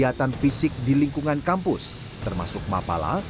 ketika dianggap terjadi kegiatan fisik di lingkungan kampus termasuk mapala